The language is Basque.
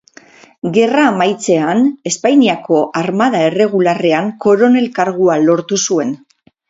Gerra amaitzean Espainiako armada erregularrean koronel kargua lortu zuen.